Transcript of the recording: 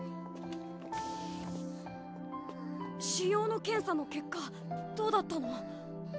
腫瘍の検査の結果どうだったの？